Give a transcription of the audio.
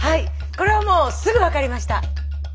これはもうすぐ分かりました。